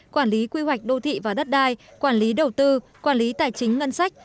quản lý quy hoạch đô thị và đất đai quản lý đầu tư quản lý tài chính ngân sách